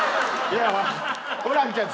ホランちゃん